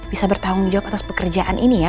bisa bertanggung jawab atas pekerjaan ini ya